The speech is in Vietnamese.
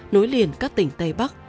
nối liền các tỉnh tây bắc